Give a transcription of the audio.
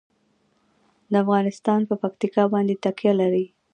افغانستان په پکتیا باندې تکیه لري.